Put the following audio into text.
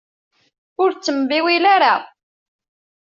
Ur ttembiwil ara.